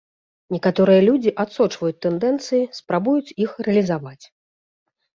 Некаторыя людзі адсочваюць тэндэнцыі спрабуюць іх рэалізаваць.